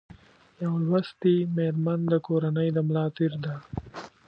یو لوستي مېرمن د کورنۍ د ملا تېر ده